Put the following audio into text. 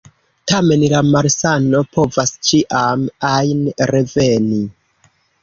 Tamen la malsano povas ĉiam ajn reveni.